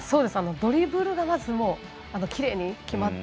ドリブルがまずきれいに決まって。